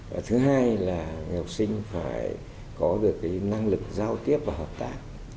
và thứ hai là người học sinh phải có được cái năng lực giao tiếp và hợp tác